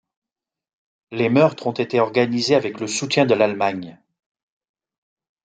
Les meurtres ont été organisés avec le soutien de l'Allemagne.